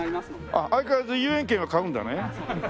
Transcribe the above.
あっ相変わらず入園券は買うんだね。